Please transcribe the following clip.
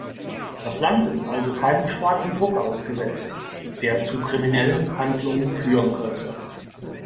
Das Land ist also keinem starken Druck ausgesetzt, der zu kriminellen Handlungen führen könnte.